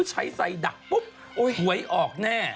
ใช้ใส่ดักปุ๊บถวยออกแน่